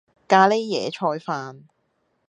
咖喱野菜飯